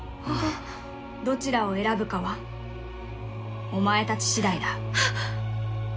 どちらを選ぶかはお前たち次第だ。